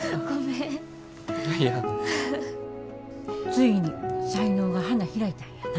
ついに才能が花開いたんやな。